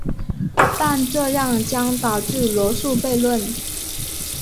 但这样将导致罗素悖论。